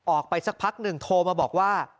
ออกไปสักพักหนึ่งโทรมาบอกว่า